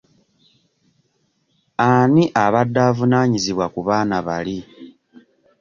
Ani abadde avunaanyizibwa ku baana bali?